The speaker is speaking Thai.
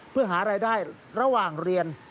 เพื่อหารายได้ระหว่างเรียน